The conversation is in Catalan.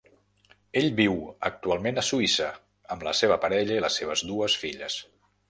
Ell viu actualment a Suïssa amb la seva parella i les seves dues filles.